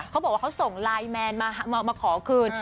เขาบอกว่าเขาส่งไลน์แมนมาขอคืน